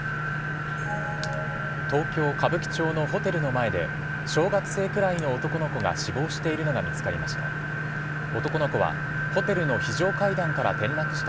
東京・歌舞伎町のホテルの前で、小学生くらいの男の子が死亡しているのが見つかりました。